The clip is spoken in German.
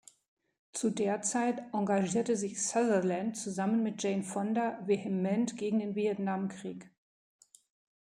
Zu der Zeit engagierte sich Sutherland zusammen mit Jane Fonda vehement gegen den Vietnamkrieg.